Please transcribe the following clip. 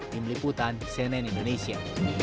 tim liputan cnn indonesia